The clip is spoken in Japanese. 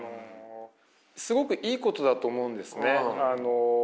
すごくいいことだと思うんですね。